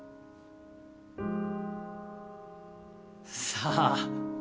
さあ？